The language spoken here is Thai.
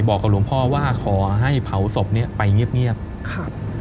บอกกับหลวงพ่อว่าขอให้เผาศพไปเงียบ